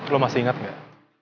lo masih ingat gak